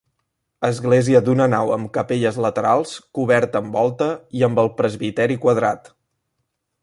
Església d'una nau amb capelles laterals coberta amb volta i amb el presbiteri quadrat.